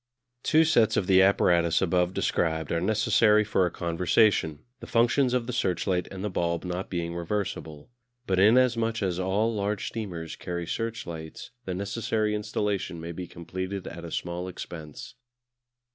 Two sets of the apparatus above described are necessary for a conversation, the functions of the searchlight and the bulb not being reversible. But inasmuch as all large steamers carry searchlights the necessary installation may be completed at a small expense.